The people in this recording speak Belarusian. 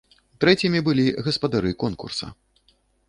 Трэцімі былі гаспадары конкурса.